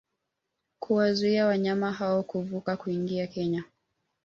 kuwazuia wanyama hao kuvuka kuingia Kenya